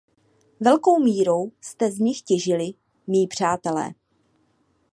Velkou mírou jste z nich těžili, mí přátelé!